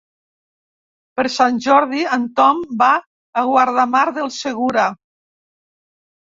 Per Sant Jordi en Tom va a Guardamar del Segura.